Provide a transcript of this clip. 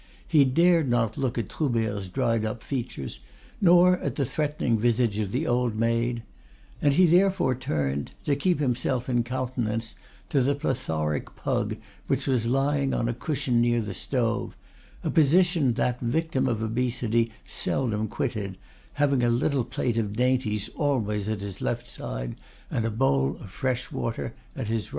He dared not look at Troubert's dried up features, nor at the threatening visage of the old maid; and he therefore turned, to keep himself in countenance, to the plethoric pug which was lying on a cushion near the stove, a position that victim of obesity seldom quitted, having a little plate of dainties always at his left side, and a bowl of fresh water at his right.